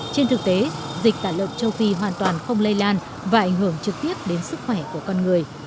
trên thực tế dịch tả lợn châu phi hoàn toàn không lây lan và ảnh hưởng trực tiếp đến sức khỏe của con người